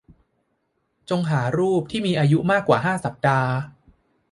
จงหารูปที่มีอายุมากกว่าห้าสัปดาห์